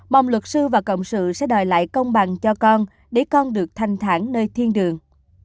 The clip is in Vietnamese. mong luật sư và cộng sự sẽ đòi lại công bằng cho con để con được thanh thản nơi thiên đường